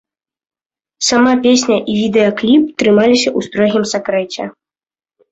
Сама песня і відэакліп трымаліся ў строгім сакрэце.